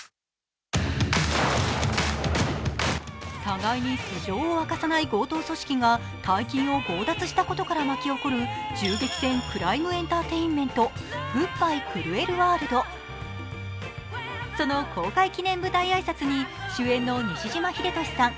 互いに素性を明かさない強盗組織が大金を強奪したことから巻き起こる銃撃戦クライム・エンターテインメント「グッバイ・クルエル・ワールド」その公開記念舞台挨拶に主演の西島秀俊さん